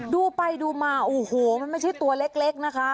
ดูไปดูมาโอ้โหมันไม่ใช่ตัวเล็กนะคะ